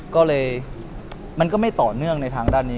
ก็เลยมันก็ไม่ต่อเนื่องในทางด้านนี้